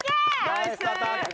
ナイスアタック。